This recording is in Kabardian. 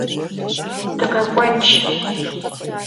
Дыкъэкӏуэнщ.